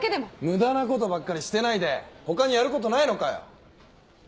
無駄なことばっかりしてないで他にやることないのかよ。